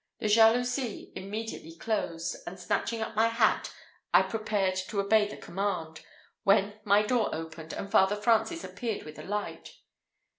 The jalousie immediately closed; and snatching up my hat, I prepared to obey the command, when my door opened, and Father Francis appeared with a light.